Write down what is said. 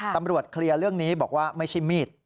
ตำรวจเคลียร์เรื่องนี้บอกว่าไม่ใช่มีด